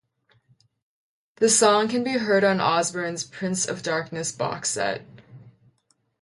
The song can be heard on Osbourne's "Prince of Darkness" box set.